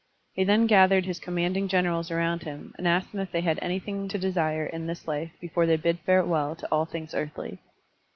He then gathered his commanding generals around him and asked them if they had anything to desire in this life before they bid farewell to all things earthly.